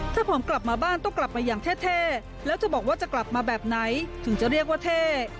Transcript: ถ้าผมกลับมาบ้านต้องกลับมาอย่างเท่แล้วจะบอกว่าจะกลับมาแบบไหนถึงจะเรียกว่าเท่